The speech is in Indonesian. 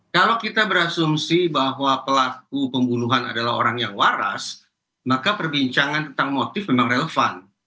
kalau kita berasumsi bahwa pelaku pembunuhan adalah orang yang waras maka perbincangan tentang motif memang relevan